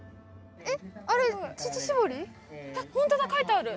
えっ！